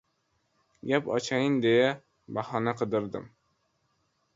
Gap ochayin deya, bahona qidirdim.